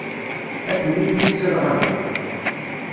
At nnif yid-s ad ɣaben.